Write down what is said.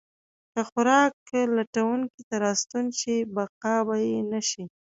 که خوراک لټونکي ته راستون شي، بقا به یې نه شي.